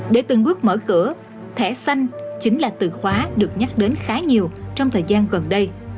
để từng bước mở cửa thẻ xanh chính là từ khóa được nhắc đến khá nhiều trong thời gian gần đây